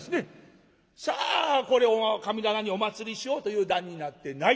さあこれを神棚にお祭りしようという段になってない。